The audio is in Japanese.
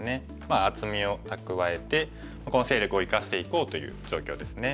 厚みを蓄えてこの勢力を生かしていこうという状況ですね。